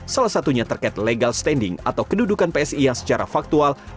salah satunya terkait legal standing atau kedudukan psi yang secara faktual